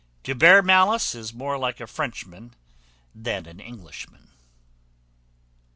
To bear malice is more like a Frenchman than an Englishman."